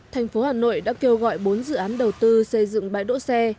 thành phố hà nội đã kêu gọi bốn dự án đầu tư xây dựng bãi đỗ xe